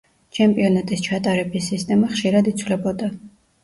ჩემპიონატის ჩატარების სისტემა ხშირად იცვლებოდა.